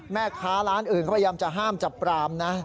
แม่ค้าร้านอื่นก็พยายามจะห้ามจับปรามนะ